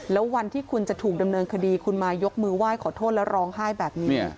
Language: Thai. แล้ววันที่คุณจะถูกดำเนินคดีคุณมายกมือไหว้ขอโทษแล้วร้องไห้แบบนี้